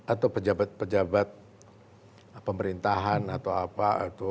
atau pejabat pejabat pemerintahan atau apa